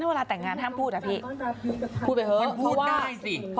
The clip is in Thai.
งั้นเวลาแต่งงานห้ามพูดอ่ะพี่